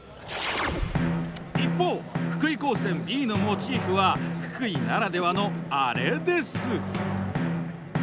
一方福井高専Ｂのモチーフは福井ならではのあれです。